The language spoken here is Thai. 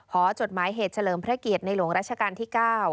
หดหมายเหตุเฉลิมพระเกียรติในหลวงราชการที่๙